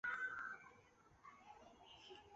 巴德夫兰肯豪森是德国图林根州的一个市镇。